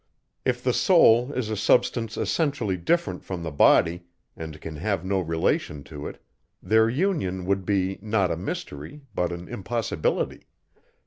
If the soul is a substance essentially different from the body, and can have no relation to it, their union would be, not a mystery, but an impossibility.